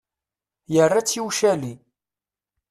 Yerra-tt i ucali.